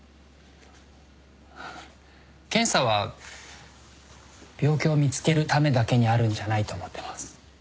検査は病気を見つけるためだけにあるんじゃないと思ってます。